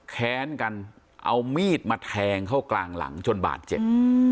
แค้นกันเอามีดมาแทงเข้ากลางหลังจนบาดเจ็บ